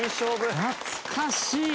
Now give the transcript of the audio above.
懐かしい！